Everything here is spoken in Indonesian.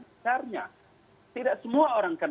besarnya tidak semua orang kan